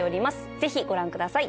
ぜひご覧ください